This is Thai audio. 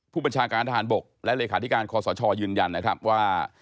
ผู้บัญชาการทหารบกและเลขาธิการคอสชยืนยันนะครับว่า